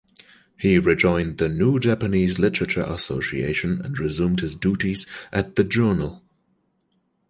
He rejoined the New Japanese Literature Association and resumed his duties at the journal.